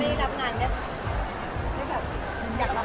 พี่เอ็มเค้าเป็นระบองโรงงานหรือเปลี่ยนไงครับ